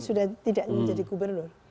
sudah tidak menjadi gubernur